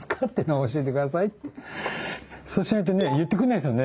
そうしないとね言ってくんないですよね。